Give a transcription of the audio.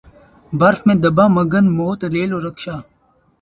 برف میں دبا مکھن موت ریل اور رکشا